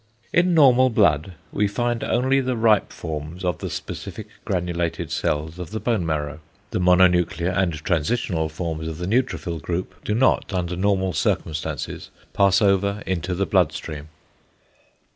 =In normal blood we find only the ripe forms of the specific granulated cells of the bone marrow. The mononuclear and transitional forms of the neutrophil group, do not under normal circumstances pass over into the blood stream.